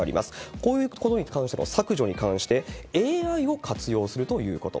こういうことに関しての削除に関して、ＡＩを活用するということ。